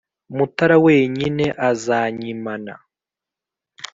mutara wenyine azanyimana.